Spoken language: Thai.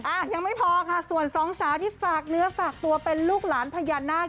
อ่ะยังไม่พอค่ะส่วนสองสาวที่ฝากเนื้อฝากตัวเป็นลูกหลานพญานาค